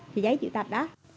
cái giấy chị tập đó